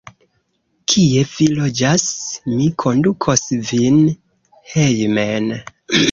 Kie vi loĝas? Mi kondukos vin hejmen.